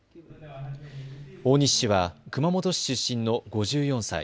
大西氏は熊本市出身の５４歳。